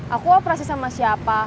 aku operasi sama siapa